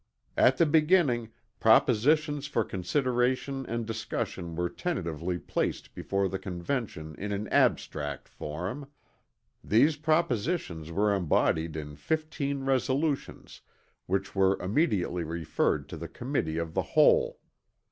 "At the beginning, propositions for consideration and discussion were tentatively placed before the Convention in an abstract form. These propositions were embodied in 15 resolutions, which were immediately referred to the Committee of the Whole.